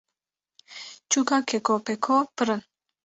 Çûka Keko Peko pir in.